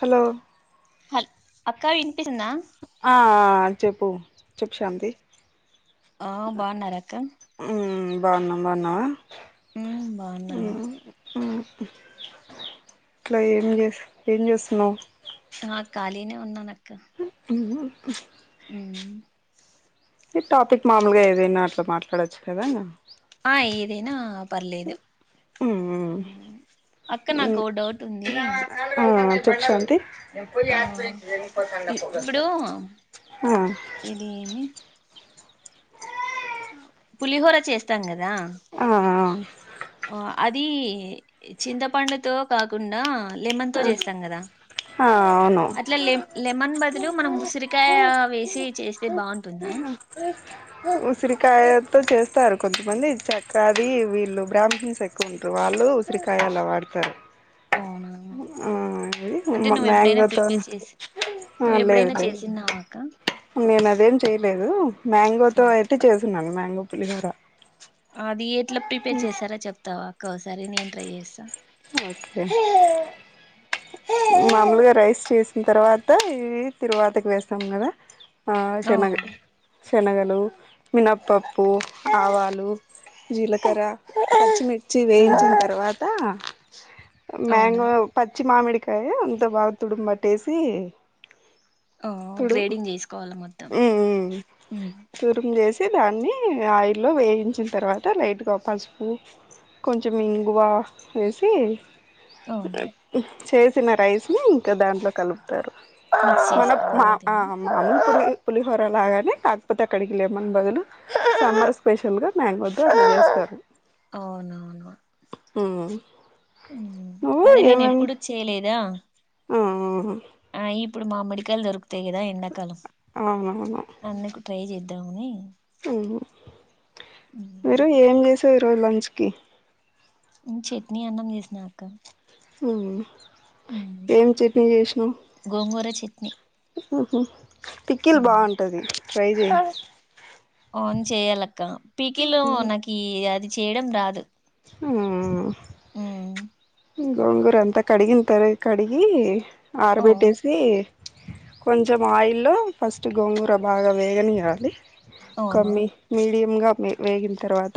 Hello హల్ అక్కా వినిపిసిందా ఆ చెప్పు చెప్ శాంతి ఆ బాగున్నార అక్క బాగున్నం బాగున్నావా ఉమ్ బాగున్నాను ఉమ్ ఊమ్ ఇట్లా ఏం చేస్ ఏం చేస్తున్నావ్. ఆ ఖాళీనే ఉన్నానక్క క ఊహుం ఊమ్ ఈ టాపిక్ మామూలుగా ఏదైనా అట్లా మాట్లాడొచ్చు కదా ఆ ఏదైనా పర్లేదు మ్మ్ మ్మ్ అక్క నాకు ఓ డౌట్ ఉంది. చెప్ శాంతి ఉ ఆ ఇప్పుడు ఇది ఏమి పులిహోర చేస్తం కద ఆ ఆ అది చింతపండుతో కాకుండా లెమన్ తో చేస్తాం కదా హా అవును అట్లా లె లెమన్ బదులు మనం ఉసిరికాయ వేసి చేస్తే బాగుంటుందా ఉసిరికాయ చేస్తారు కొంతమంది చక్కది వీళ్ళు బ్రాహ్మీణస్ ఎక్కువ ఉంటారు వాళ్ళు ఉసిరికాయ అలా వాడతారు. అవునా ఆ ఇది అంటే నువ్వు ఎప్పుడైనా మ్యాంగోతో ప్రిపేర్ చేసి ఆ నువ్వు లేదు ఎప్పుడైనా లేదు చేసినవా అక్క నేను అదేం చేయలేదు మ్యాంగో తో అయితే చేస్తా న్నాను మ్యాంగో పులిహొర అది ఎట్లా ప్రిపేర్ చేసారో చెప్తావా ఒక్కోసారి నేను ట్రై చేస్తా ఓకే మామూలుగా రైస్ చేసిన తర్వాత ఇవి తిరువాతికి వేస్తాం కదా హా ఆ శనగ శనగలు, మినప్పప్పు, ఆవాలు, జీలకర్ర, పచ్చిమి చ్చి ఉమ్, వేయించిన తర్వాత త [inaudible] అవునా మ్యాంగో ప పచ్చి మామిడికాయ అంత బాగా తుడుము పట్టేసి ఆ గ్రేడింగ్ చేసుకోవాలి మొత్తం తుడు ఉ తురుము చేసి దాన్ని ఆయిల్లో వేయించిన తర్వాత లైట్గా పసుపు కొంచెం ఇంగువ వేసి అవును టి అ చేసిన రైస్ని ఇంకా దాంట్లో కలుపుతారు మిక్స్ మన చేసుకోవడం మా ఆ అంతేనా మ తురుమి పులిహోర లాగానే కాకపోతే అక్కడికి లేమన్ బదులు సమ్మర్ స్పెషల్ గా మ్యాంగో తో అలా చేస్తారు. అవునవును ఉమ్ ఉ నువ్వు అదే నేను ఏమేమి ఎప్పుడు చేయలేదా ఆ ఆ ఆ ఇప్పుడు మామిడికాయలు దొరుకుతాయి కదా ఎండాకాలం అవునవును దామని అ మీరు ఉమ్, ఏం చేస ఈ రోజు లాంచ్ కి చట్నీ అన్నం చేసినా అక్క అవునా ఉమ్, ఏం చట్నీ చేసినావు కిడ్నీ ఓకే అవును చెయ్యాల అక్క పీకిలు నాకి అది చేయడం రాదు ఉమ్, గోంగూర అంతా కడిగిన తరువాత కడిగి ఆ, ఆరబెట్టేసి కొంచెం ఆయిల్లో ఫస్ట్ గోంగూర బాగా వేగనీేయాలి అవునా కమ్మి మీడియంగా వేగిన తర్వాత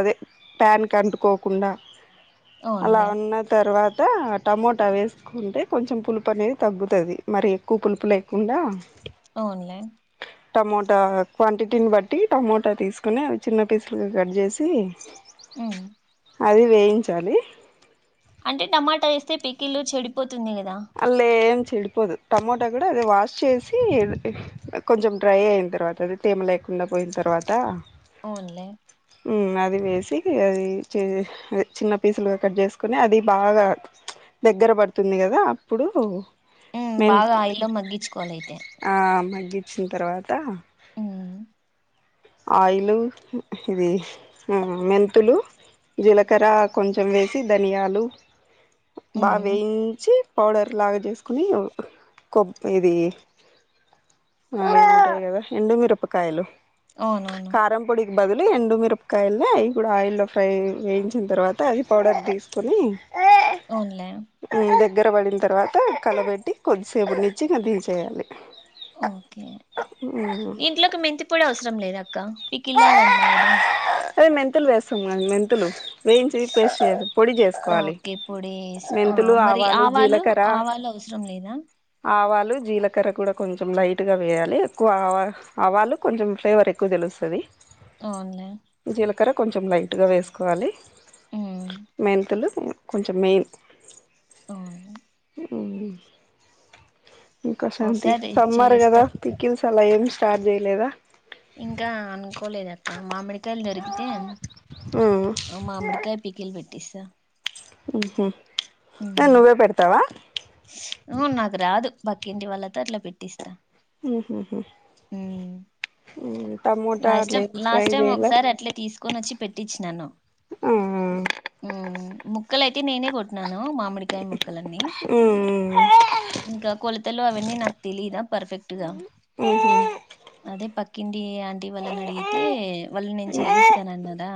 అదే ప్యాన్ క అంటుకోకుండా అలా అవునులే ఉన్న తర్వాత అట్ట టమోటా వేసుకుంటే కొంచెం పులుపు అనేది తగ్గుతది మరి ఎక్కువ పులుపు లేకుండా అవునులే టమోటా క్వాంటిటీని బట్టి టమోటా తీసుకుొని చిన్న పీసులుగా కట్ చేసి అవు అది వేయించాలి అంటే టమాటా వేస్తే పికిల్లు చెడిపోతు తుంది కదా అల్ల ఏం చెడిపోదు టమోటా కూడా అది వాష్ చేసి కొంచెం డ్రై అయిన తర్వాత అది తేమ లేకుండా పోయిన తర్వాత అవున్ లే అది వేసి అది చిన్న పీసులుగా కట్ చేసుకుొని అది బాగా దగ్గర పడుతుంది కదా ఇప్పుడు అ బాగా ఆయిల్లో మగ్గించుకోవాలైతే వచ్చిన తర్వాత ఆయిలు ఇది మెంతులు జీలకర్ర కొంచెం వేసి ధనియాలు బాగా ఉమ్ వేయించి పౌడర్ లాగా చేసుకుని కొబ్బరి ఇది ఉం కదా ఎండు మిరపకాయలు అవును అవును బదిలీ ఎండుమిిరపకాయల్లో అవి కూడా ఆయిల్లో ఫ్రై వేయించిన తర్వాత అది పౌడర్ తీసుకొని అవున్ లే దగ్గర పడిన తర్వాత కలబెట్టి కొద్దిసేపుని ఇచ్చిగాదిించేయాలి ఓకే ఇంట్లోకి మెంతిపొడి అవసరం లేద అక్క పి కిల్లా గన్నా కద అదే మెంతుల్ వేస్తున్న మెంతులు వేయించి పేస్ట్ చే పొడి చేసుకోవాలి ఓకే పొడి వేసి ఆ మెంతులు మరి ఆవాలు జీలకర్ర ఆవాలు అవసరం లేదా ఆవాలు లు జీలకర్రా కొడ కొంచం లైటుగ వేయాలి కూ ఆవా ఆవాలు కొంచం ఫ్లేవరే ఎక్కువజలుస్ త్తది అవునులే క్కర కొంచెం లైట్గా వేసుకోవాలి ఉమ్ మెంతులు కొంచెం మెయిన్ అవును ఇంకాశాంతి ఒకసారి సమ్మార్ చేస్తా కదా పికి అలా ఏమి స్టార్ట్ చేయలేదా ఇం ఇకా అనుకోలేదు అక్క మామిడికాయలు దొరికితే ఉమ్ ఆ మామిడికాయ పీకీలు పెట్టేస్త పచ్చ హు హ్మ్ నువ్వే పెడత తవా బక్కింటి వాళ్లతో అట్లా పెట్టిస్తా హ్మ్ హ్మ్ హ్మ్ ఉమ్ ఉమ్ లాస్ట్ టైం లాస్ట్ టైమ్ ఒకసారి అట్లే తీసుకొని వచ్చి పెట్టించినను ఆ ఉమ్ ముక్కలుయితే నేనే కొట్టిన్నాను మామిడికాయ ము ఉ ఉ ఇంకా కొలతలు అవన్నీ నాకు తెలీదా పర్ఫెక్ట్గా ఉహు అదే పక్కిడి వాళ్ళని అడిగితే వాళ్ళ నేను చేస్తానున్నదా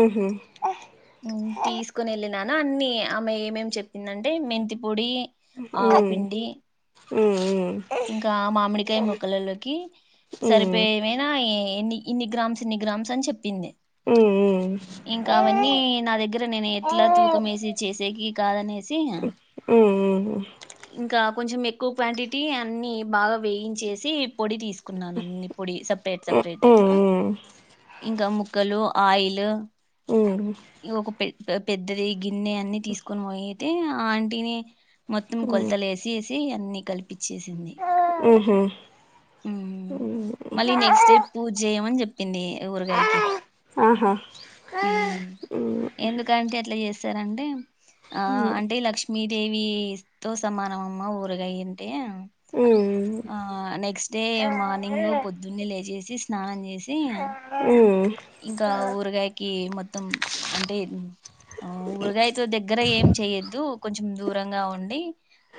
ఉహు తీసుకుని వె నా అన్ని ఆమ్మె ఏమేం చెప్పిందంటే మెంతి పొడి ఆవపిండి ఉమ్ ఉమ్ ఇంకా మామిడికాయ మొక్కలలోకి సరిపోయేమైనా ఈ ఎన్ని ఇన్ని గ్రామ్స్ ఇన్ని గ్రామ్స్ అని చెప్పింది ఉమ్ ఉమ్ ఇంకా అవన్నీ నా దగ్గర నేను ఎట్లా తూకమేసి చేసేకి కాదనేసి ఇంకా కొంచెం ఎక్కువ క్వాంటిటీ అన్ని బాగా వేయించేసి పొడి తీసుకు న్నా అన్ని పొడి సపరేట్ సపరేట్ ఇంకా ము కలు ఆయిల్ ఉమ్ ఒక పె పెద్దది గిన్నె అన్ని తీసుకొని పోయితే ఆ ఆంటీనె మొత్తం కొలతలే వేసి అన్ని కలిపి చ్చేసింది ఉమ్ ఉ ఉహు మళ్ళీ నెక్స్ట్ డే పూజ చేయమని చె పింది ఊరుగాయకి ఆహా ఉ ఎందుకంటే అట్లా చేస్త సరండి ఆ మ్మ్ అంటే లక్ష్మీ దేవి తో సమానమమ్మ ఊరుగాయంది నెక్స్ట్ డే మార్నింగ్ పొద్దున్న లే స్నాం ఉ ఇంకా ఊరగాయకి మొత్తం అంటే ఊరగాయతో దగ్గర ఏం చెయొద్దు కొంచం కొంచెం దూరంగా ఉండి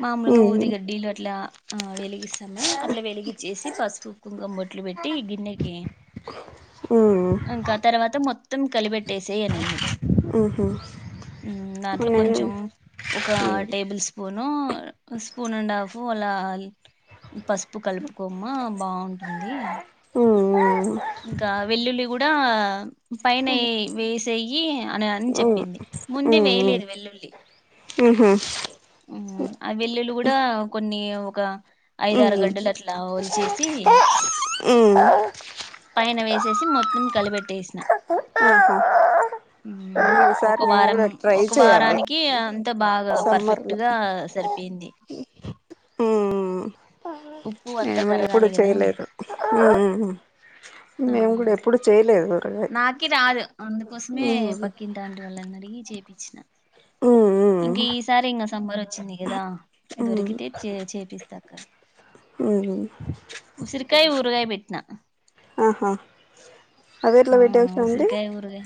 మామలుగా ఊది గడ్డీలు అట్లా ఆ వెలిగి మే అట్ల వెలిగించేసి పసుపు కుంకుమ బొట్లు పెట్టి ఈ గిన్నెకి ఇంకా తర్వాత మొత్తం కలిబెట్టి పెట్టేసే అనింది దాంట్లో కొంచెం ఒక table spoon spoon and half అలా పసుపు కలుపుకోమ్మా బాగుంటుంది ఉ ఇంకా వెల్లుల్లి కూడా పైన వేసేయి అని అని చెప్పింది ముందే వేయలేదు వెల్లుల్లి ఆహా మ్మ్ ఆ వెల్లుల్లి కూడా కొన్ని ఒక ఐదారు గడ్డలు అట్లా ఒలిచేసి పైన వేసేసి మొత్తం కలబెట్టేసిన ఒక ఈసారి మేము వారం కూడా ట్రై ఒక చేయాలి వారానికి అంతా బాగా సమ్మర్ పర్ఫెక్ట్ లో గా సరిపోయింది ఉప్పు అంతా ఎప్పుడు కరగాలి కదా చేయలేదు ఆ మేము కూడా ఎప్పుడు చేయలేదు ఊరగాయ నాకి రాదు అందుకోసం మే పక్కింటి ఆంటీ వాళ్ళని అడిగి చేపించిన ఇంకా ఈసారి ఇంక సమ్మర్ వచ్చింది కదా దొరికితే చే చేపిస్తా అక్క ఉసిరికాయ ఊరగాయి పెట్ట్నా ఆహా అది ఎట్లా పెట్టేసావ్ అంటి ఉసిరికాయ ఊరగాయ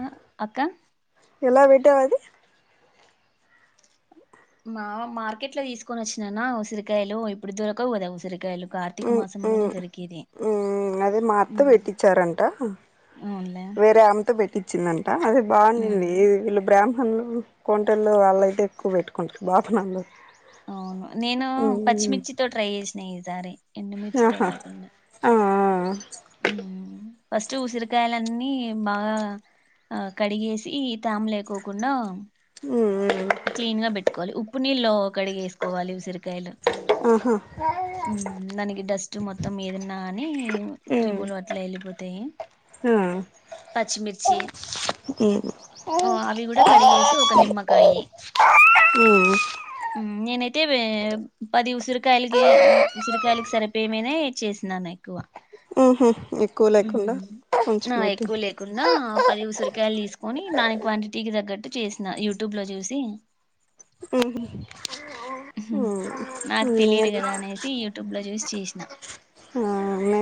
ఆ అక్క ఎలా పెట్టావు అది మా మార్కెట్ లో తీసుకొనొచ్చినాన్న ఉసిరికాయలు ఇప్పుడు దొరకవు కదా ఉసిరికాయలు కార్తీక మ్మ్ మాసంలోనే మ్మ్ దొరికేది మ్మ్ అదే మా అత్త ఉమ్ పెట్టించారంట అవునులే వేరే ఆమెతో పెట్టి వచ్చిందంట అది బాగుంది ఉమ్ వీళ్ళు బ్రాహ్మణులు కొంటోళ్లు వాళ్ళయితే ఎక్కువ పెట్టుకుంటారు బాపనోళ్ళు అవును నేను మ్మ్ పచ్చిమిర్చితో ట్రై చేశ్న ఈసారి ఎండుమిర్చితో ఆహా ఆ ఆ ఉం ఫస్ట్ ఉసిరికాయలు అన్ని బాగా ఆ కడిగేసి తేమ లేకోకుండా ఉం క్లీన్ గా పెట్టు కొ ఉప్పు నీళ్ళు కడిగి వేసుకోవాలి ఉసిరికాయలు ఆహా దానికి డస్ట్ మొత్తం ఏది ఉన్న నా ఈ మ్మ్ క్రిములు అట్లా వెళ్ళిపోతాయి ఆ పచ్చిమిర్చి మ్మ్ అవి కూడా కడిగేసి ఒక నిమ్మకాయి ఉం నయితే పది ఉసిరి ఉసిరికాయలకి ఉసిరికాయలకు సరిపోయిని చేసినాను ఎక్కువ మ్హు ఆ ఎక్కువ లేకుండా పది ఉసరి ఉకాయలు తీసుకొని దాని క్వాంటిటీకి తగ్గట్టు చేసిన యూట్యూబ్ లో చూసి ఉం హ నాకు తెలిదు కదా అనేసి యూట్యూబ్ లో చూసి చేసిన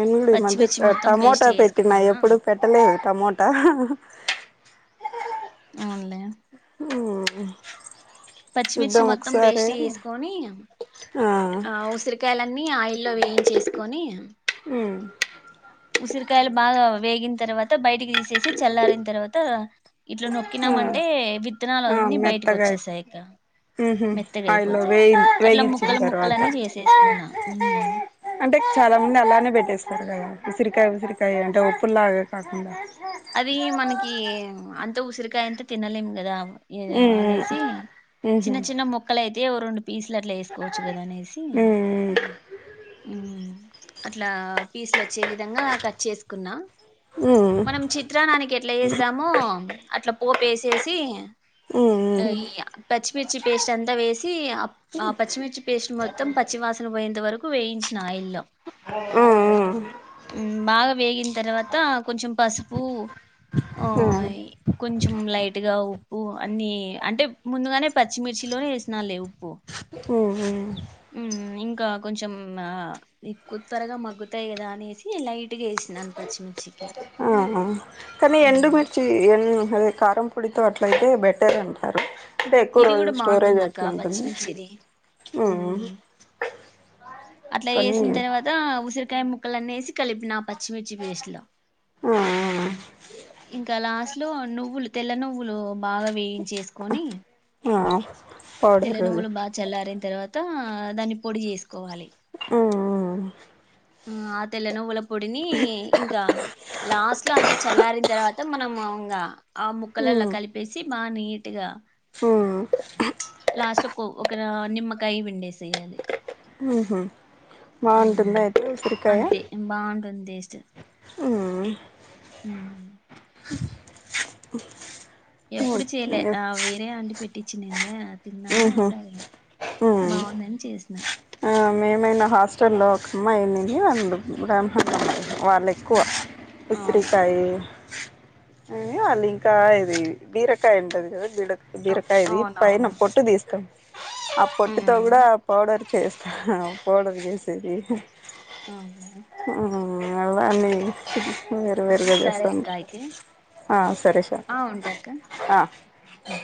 ఇడు ఈ మద్య పచ్చిమిర్చి మొత్తం పేస్ట్ టమోటా పెట్టినా చేసుకున్నానా ఎప్పుడు పెట్టలేదు టమోటా అవునులే పచ్చిమిర్చి చూద్దాం మొత్తం ఒకసారి పేస్ట్ చేసుకొని ఆ ఊసిరికాయలా మి ఆయిల్లో వేయించేసుకొని ఉసిరికాయలు బా త వేగిన తర్వాత బయటికి తీసేసి చల్లారిన తర్వాత ఇట్లా ఆ నొక్కినామ్ అంటే విత్తనాలు ఆ అన్నీ బయటకి మెత్తగా వచ్చేసాయి ఇక ఉహు మెత్తగ ఆయిల్లో అయిపోతాయి వేయి అట్లా వేగించిన ముక్కలు ముక్కల తర్వాత అన్నీ చేసేసుకున్నా హ్మ్ అంటే చాలా మంది అలానే పెట్టేస్తారు కదా ఉసిరికాయ ఉసిరికాయ అంటే ఒప్పుళ్ళగ కాకుండా అది మనకి అంత ఉసిరికాయ అంతా తినలేము కదా ఏదో ఉమ్ అనేసి ఉహు చిన్న చిన్న మొక్కలయి ఏవో రొండు పీస్లు అట్లా వేసుకోవచ్చు కదా అనేసి ఉమ్ అట్లా పీస్లు వచ్చే విధంగా కట్ చేసుకున్నా ఉమ్ మనం చిత్రానానికి ఎట్లా చేస్తామో అట్లా పోపేసేసి ఉమ్ అ ఉమ్ ఈగ పచ్చి మిర్చి పేస్ట్ అంతా వేసి ఆ పి ఆ పచ్చిమిర్చి పేస్ట్ మ మొత్తం పచ్చివాసన పోయేంత వరకు వేయించిన ఆయిల్లో ఉమ్ మ్మ్ బాగా వేగిన తర్వాత కొంచెం పసుపు మ్మ్ ఉమ్ ఈ కొంచెం లైట్గా ఉప్పు అన్ని అంటే ముందుగానే పచ్చిమిర్చిలోనే వేసినా లే ఉప్పు ఉమ్ ఉమ్ మ్మ్ ఇంకా కొంచెం ఎక్కువ త్వరగా మగ్గుతాయి కదా అనేసి లైట్గా వేసినాను పచ్చిమిర్చికి కనీ ఎండు హ్మ్ మిర్చి ఎన్ అదే కారంపొడితో అట్లయితే బెటర్ అంటారు అంటే ఎక్కువ ఇది రోజు కూడా స్టోరేజ్ బాగుంటుందక్క ఎట్లా ఉంటుంది పచ్చిమిర్చిది మ్మ్ హ్మ్ అట్లా వేసిన తర్వాత ఉసిరి కాయ ముక్కలన్నీ వేసి కలిపిన పచ్చిమిర్చి పేస్టులో హమ్మ్ ఇంకా లాస్ట్ లో నువ్వులు తెల్ల నువ్వులు బాగా వేయించేసుకొని ఆ పౌడర్ తెల్ల అది నువ్వులు బాగా చల్లారిన తర్వాత దా దాన్ని పొడి చేసుకోవాలి ఉమ్ ఆ ఆ తెల్ల నువ్వుల పొడిని ఇంకా లాస్ట్ లో అంతా చల్లారిన తర్వాత మనము ఇంకా ఆ ముక్కలలో ఉమ్ కలిపేసి బాగా నీట్గా ఉమ్ లాస్ట్ లో ఒక నిమ్మకాయ పిండేసేయాలి హ్మ్ హు ఉమ్ బావుంటుందా అయితే ఉసిరికాయ అంతే బావుంటుంది టె [inaudible] మ్మ్ మి మ్మ్ ఎప్ ఇప్పుడు చేయలే ఓకే వేరే ఆంటీ పెట్ టిచ్చ నింగా [unintelligible] ఉహు తిన్ననోసారి బావుంది అని చేసిన మైనా హాస్టల్లో ఒక అమ్మాయిందిని [unintelligible] అళ్ బ్రాహ్మణ వాళ్ళు ఎక్కువ అవునా ఉసిరికాయ హు వాళ్ళు ఇం కాయ ఇది బీరకాయ అంటారు కదా బిడ బిరకాయది పైన అవునవునా పొట్టు తీస్తాం ఆ పొట్టుతో ఉమ్ కూడా పౌడర్ చేస్తాను కోడి [unintelligible] సకి అవునా నిన్న [unintelligible] వేరువేరుగా సరే చేస్తాం అక్క అయితే ఆ సరే సార్ ఆ ఉంటా అక్క ఆ ఉమ్